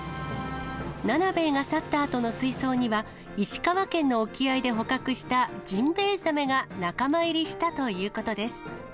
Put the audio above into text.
ナナベエが去ったあとの水槽には、石川県の沖合で捕獲したジンベエザメが仲間入りしたということです。